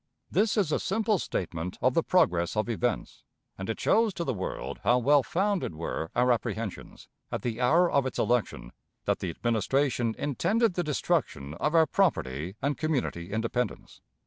This is a simple statement of the progress of events, and it shows to the world how well founded were our apprehensions, at the hour of its election, that the Administration intended the destruction of our property and community independence.